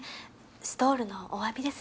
ストールのお詫びです。